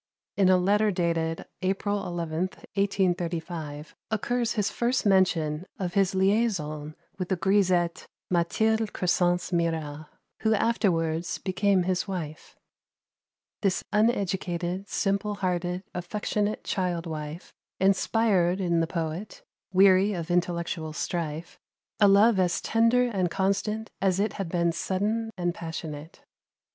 In a letter dated, April 11th, 1835, occurs his first mention of his liaison with the grisette Mathilde Crescence Mirat, who afterwards became his wife. This uneducated, simple hearted, affectionate child wife inspired in the poet, weary of intellectual strife, a love as tender and constant as it had been sudden and passionate.